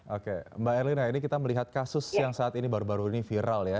oke mbak erlina ini kita melihat kasus yang saat ini baru baru ini viral ya